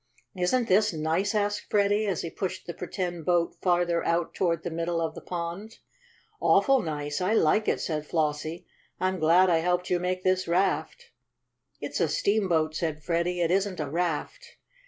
"Isn't this nice?" asked Freddie, as he pushed the pretend boat farther out toward the middle of the pond. "Awful nice I like it," said Flossie. "I'm glad I helped you make this raft." "It's a steamboat," said Freddie. "It isn't a raft."